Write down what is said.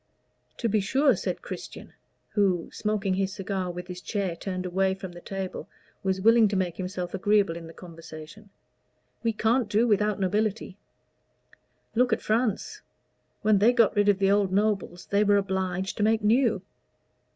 "To be sure," said Christian, who, smoking his cigar with his chair turned away from the table, was willing to make himself agreeable in the conversation. "We can't do without nobility. Look at France. When they got rid of the old nobles they were obliged to make new."